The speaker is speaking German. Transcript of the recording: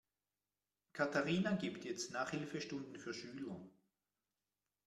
Katharina gibt jetzt Nachhilfestunden für Schüler.